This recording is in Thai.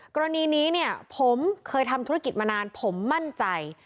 กรณีนี้เนี่ยผมเคยทำธุรกิจมานานผมมั่นใจ